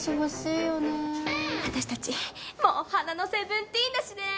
あたしたちもう花のセブンティーンだしね。